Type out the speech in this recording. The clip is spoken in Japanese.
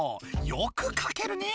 よく書けるね！